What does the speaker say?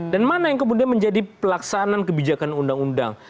dan mana yang kemudian menjadi pelaksanaan kebijakan undang undang